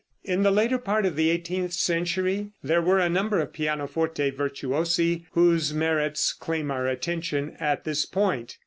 In the later part of the eighteenth century there were a number of pianoforte virtuosi whose merits claim our attention at this point.